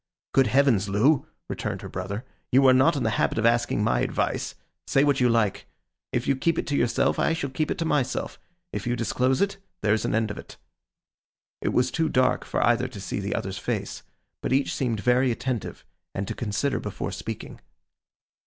'Good Heavens, Loo,' returned her brother, 'you are not in the habit of asking my advice. Say what you like. If you keep it to yourself, I shall keep it to _my_self. If you disclose it, there's an end of it.' It was too dark for either to see the other's face; but each seemed very attentive, and to consider before speaking.